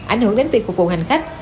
ảnh hưởng đến việc phục vụ hành khách